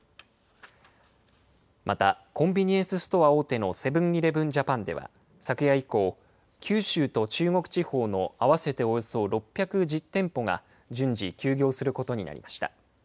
またコンビニエンスストア大手のセブン−イレブン・ジャパンでは昨夜以降九州と中国地方の合わせておよそ６１０店舗が順次、休業することになりました。